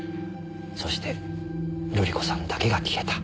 そして瑠璃子さんだけが消えた。